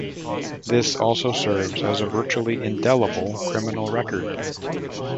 This also serves as a virtually indelible criminal record.